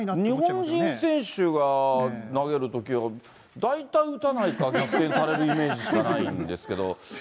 日本人選手が投げるときは、大体打たないか、逆転されるイメージしかないんですけど。